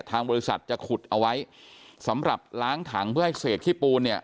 ทางบริษัทจะขุดเอาไว้สำหรับล้างถังเพื่อให้เศษขี้ปูนเนี่ย